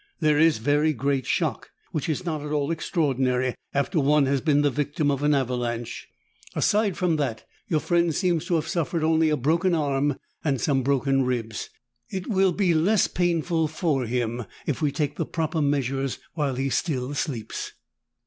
"There is very great shock, which is not at all extraordinary after one has been the victim of an avalanche. Aside from that, your friend seems to have suffered only a broken arm and some broken ribs. It will be less painful for him if we take the proper measures while he still sleeps."